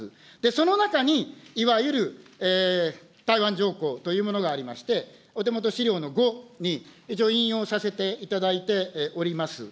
その中に、いわゆる台湾条項というものがありまして、お手元資料の５に一応引用させていただいております。